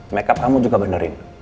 make up kamu juga banderin